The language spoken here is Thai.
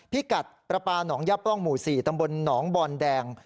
พิกัดประปาน๋องยับร่องหมู่สี่ตำบลหนองบอลแดง